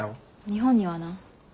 日本にはな。